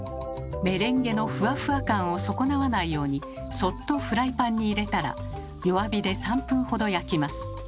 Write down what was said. メレンゲのふわふわ感を損なわないようにそっとフライパンに入れたら弱火で３分ほど焼きます。